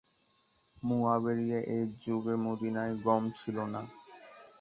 মু‘আবিয়া -এর যুগে মদীনায় গম ছিল না।